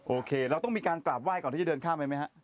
โอเคเราต้องมีการกราบไห้ก่อนที่จะเดินข้ามไปไหมฮะ